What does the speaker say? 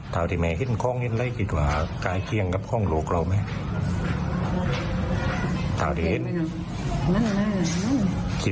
ถ้าสมมติว่าเป็นโหลกเราจริงเนี่ยแม่อยากฟักอะไรตำรวจตอนนี้